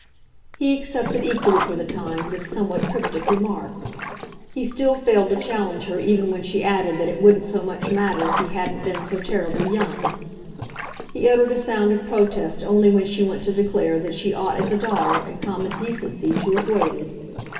He accepted equally, for the time, this somewhat cryptic remark; he still failed to challenge her even when she added that it wouldn't so much matter if he hadn't been so terribly young. He uttered a sound of protest only when she went to declare that she ought as a daughter, in common decency, to have waited.